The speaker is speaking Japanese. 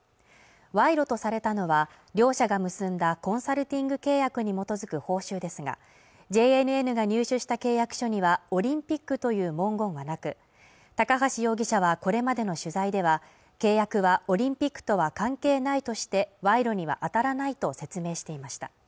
賄賂とされたのは両者が結んだコンサルティング契約に基づく報酬ですがＪＮＮが入手した契約書にはオリンピックという文言がなく高橋容疑者はこれまでの取材では契約はオリンピックとは関係ないとして賄賂には当たらないと説明していました